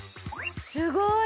すごい！